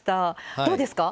どうですか？